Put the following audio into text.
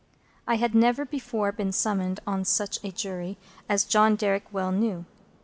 I had never before been summoned on such a Jury, as John Derrick well knew.